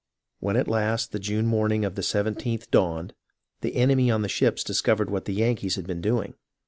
When at last the June morning of the 17th dawned, the enemy on the ships discovered what the Yankees had been doing.